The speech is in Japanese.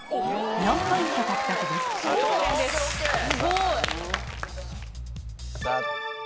３ポイント獲得です。